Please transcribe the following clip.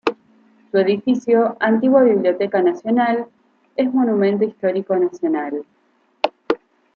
Su edificio, antigua Biblioteca Nacional, es Monumento Histórico Nacional.